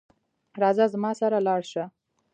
راځه زما سره لاړ شه